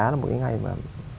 là một cái ngày mà